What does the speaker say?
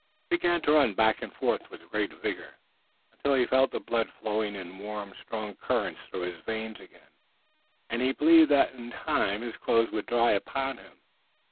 He began to run back and forth with great vigor, until he felt the blood flowing in a warm, strong current through his veins again, and he believed that in time his clothes would dry upon him.